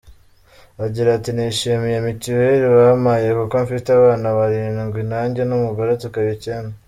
Agira ati “Nishimiye Mitiweri bampaye kuko mfite abana barindwi nanjye n’umugore tukaba icyenda.